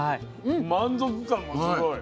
満足感もすごい。